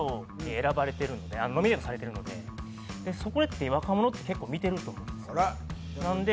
されてるのでそれって若者って結構見てると思うんですよ